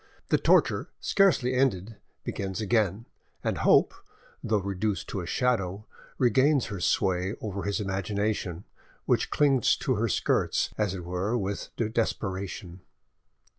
The torture scarcely ended begins again, and Hope, though reduced to a shadow, regains her sway over his imagination, which clings to her skirts, as it were, with desperation.